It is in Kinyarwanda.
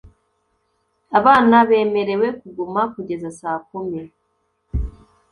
abana bemerewe kuguma kugeza saa kumi.